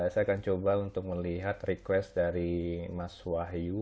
saya akan coba untuk melihat request dari mas wahyu